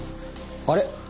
あれ？